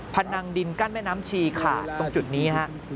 นังดินกั้นแม่น้ำชีขาดตรงจุดนี้ฮะ